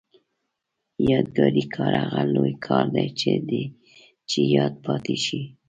یادګاري کار هغه لوی کار دی چې یاد پاتې شي.